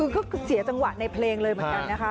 ก็เสียจังหวะในเพลงเลยเหมือนกันนะคะ